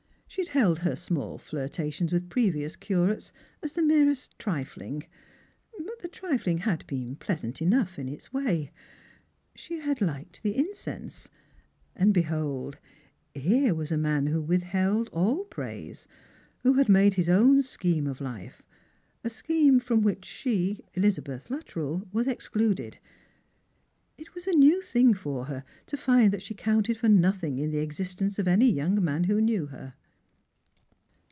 She had held her small flirtations with previous. cura, tes as the merest trifling, but the trifling had beenpieasant enough in its way. She had liked the incense. And behold, here was a man who withheld all praise ; who had made his own scheme of life — a scheme from which she, Elizabeth Luttrelb was excluded. It was a new thinar 10 Strangers a 'id Fih/rlms. for lier to fiad that she counted for nothing in the existence of any young man who knew her.